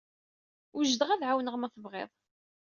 Wejdeɣ ad k-ɛawneɣ ma tebɣiḍ.